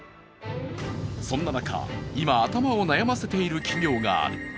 そんな中、今、頭を悩ませている企業がある。